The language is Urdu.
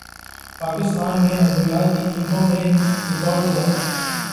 پاکستان میں ادویات کی قیمتوں میں ریکارڈ اضافہ